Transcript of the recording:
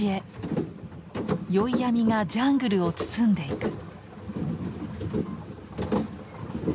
宵闇がジャングルを包んでいく。